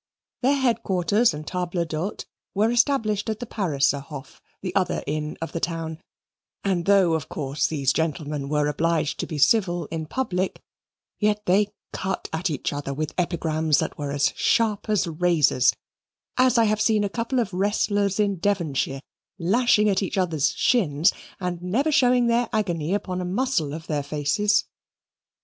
Their headquarters and table d'hote were established at the Pariser Hof, the other inn of the town; and though, of course, these gentlemen were obliged to be civil in public, yet they cut at each other with epigrams that were as sharp as razors, as I have seen a couple of wrestlers in Devonshire, lashing at each other's shins and never showing their agony upon a muscle of their faces.